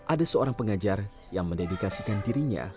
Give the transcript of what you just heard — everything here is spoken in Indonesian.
ada seorang pengajar yang mendedikasikan dirinya